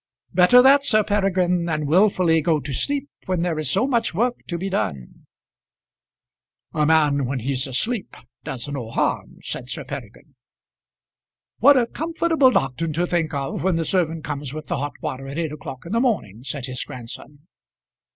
"Better that, Sir Peregrine, than wilfully go to sleep when there is so much work to be done." "A man when he's asleep does no harm," said Sir Peregrine. "What a comfortable doctrine to think of when the servant comes with the hot water at eight o'clock in the morning!" said his grandson.